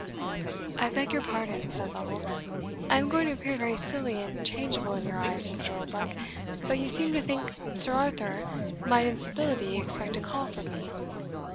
"I beg your pardon," said Lovel; "I am going to appear very silly and changeable in your eyes, Mr. Oldbuck but you seemed to think Sir Arthur might in civility expect a call from me?"